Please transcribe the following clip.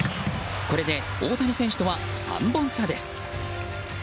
これで大谷選手とは３本差です。